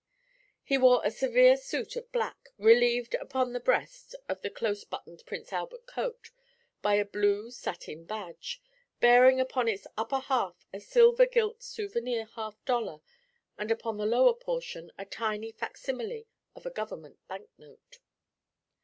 He wore a severe suit of black, relieved upon the breast of the close buttoned Prince Albert coat by a blue satin badge, bearing upon its upper half a silver gilt souvenir half dollar, and upon the lower portion a tiny fac simile of a Government banknote.